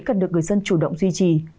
cần được người dân chủ động duy trì